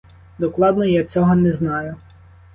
Докладно я цього не знаю.